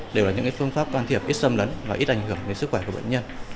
đều là những phương pháp can thiệp ít xâm lấn và ít ảnh hưởng đến sức khỏe của bệnh nhân